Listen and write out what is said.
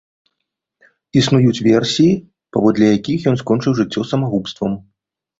Існуюць версіі, паводле якіх ён скончыў жыццё самагубствам.